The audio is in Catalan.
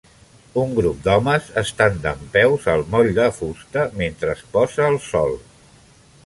Un grup d'homes estan dempeus al moll de fusta mentre es posa el sol.